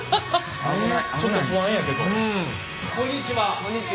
こんにちは。